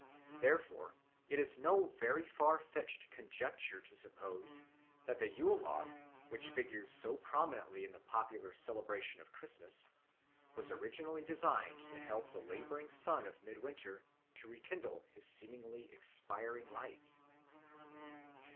Therefore it is no very far fetched conjecture to suppose that the Yule log, which figures so prominently in the popular celebration of Christmas, was originally designed to help the labouring sun of midwinter to rekindle his seemingly expiring light.